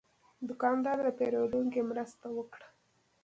دوکاندار د پیرودونکي مرسته وکړه.